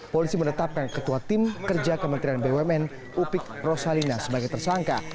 polisi menetapkan ketua tim kerja kementerian bumn upik rosalina sebagai tersangka